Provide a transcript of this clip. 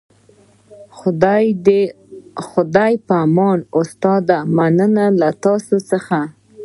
د خدای په امان استاده مننه له تاسو څخه